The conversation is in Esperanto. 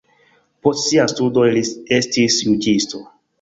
Post siaj studoj li estis juĝisto.